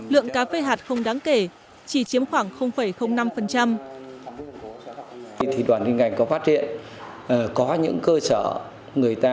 lượng cà phê hạt không đáng kể chỉ chiếm khoảng năm